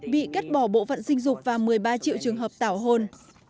bị cắt bỏ bộ phận sinh dục và một mươi ba triệu trường hợp tảo hôn